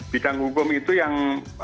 bidang hukum itu yang